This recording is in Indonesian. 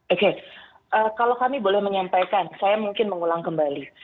oke kalau kami boleh menyampaikan saya mungkin mengulang kembali